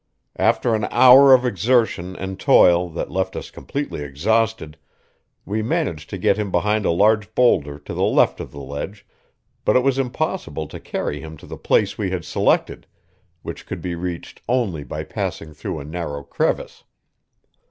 After an hour of exertion and toil that left us completely exhausted, we managed to get him behind a large boulder to the left of the ledge, but it was impossible to carry him to the place we had selected, which could be reached only by passing through a narrow crevice.